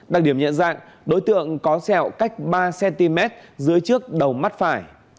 đặc điểm nhận dạng đối tượng có xẹo cách ba cm dưới trước đầu mắt phải